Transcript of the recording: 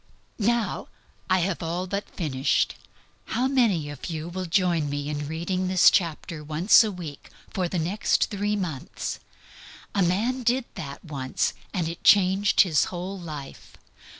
Now I have all but finished. How many of you will join me in reading this chapter once a week for the next three months? A man did that once and it changed his whole life.